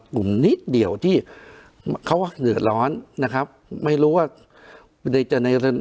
กลุ่มนิดเดียวที่เขาว่าเหนือร้อนนะครับไม่รู้ว่าในใน